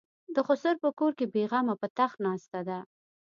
د خسر په کور کې بې غمه په تخت ناسته ده.